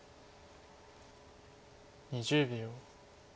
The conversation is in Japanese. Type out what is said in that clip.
２０秒。